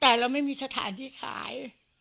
แต่เราไม่มีสถานที่ขาย